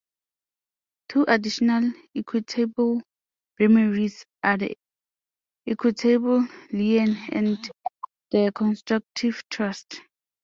Two additional equitable remedies are the equitable lien and the constructive trust.